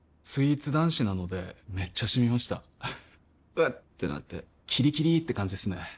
スイーツ男子なのでめっちゃシミました「うっ」ってなってキリキリって感じですね